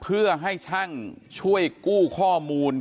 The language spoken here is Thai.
เพื่อให้ช่างช่วยกู้ข้อมูล